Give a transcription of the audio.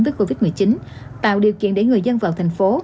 tức covid một mươi chín tạo điều kiện để người dân vào thành phố